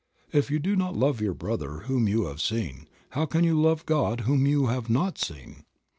"If you do not love your brother whom you have seen, how can you love God whom you have not seen